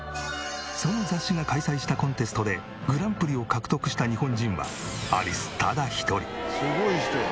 その雑誌が開催したコンテストでグランプリを獲得した日本人はアリスただ一人。